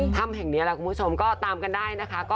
ถ้ำแห่งนี้แหละคุณผู้ชมก็ตามกันได้นะคะ